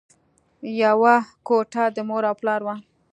یوه کوټه د مور او پلار وه